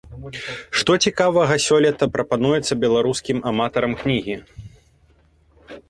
Што цікавага сёлета прапануецца беларускім аматарам кнігі?